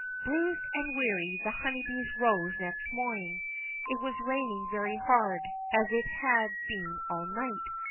Bruised and weary, the Honeybees rose next morning. It was raining very hard, as it had been all night.